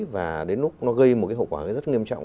và đến lúc nó gây một cái hậu quả rất nghiêm trọng